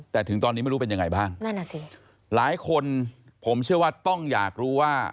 แต่ถึงตอนนี้ไม่รู้เป็นยังไงบ้างนั่นอ่ะสิหลายคนผมเชื่อว่าต้องอยากรู้ว่า